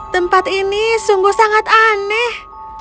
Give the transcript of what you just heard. tempat ini sungguh sangat aneh